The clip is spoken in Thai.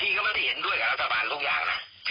ก็ไม่ได้เห็นด้วยกับรัฐบาลทุกอย่างนะ